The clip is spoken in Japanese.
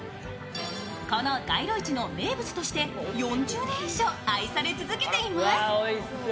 この街路市の名物として４０年以上愛され続けています。